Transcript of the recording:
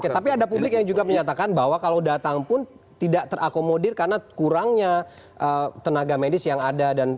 oke tapi ada publik yang juga menyatakan bahwa kalau datang pun tidak terakomodir karena kurangnya tenaga medis yang ada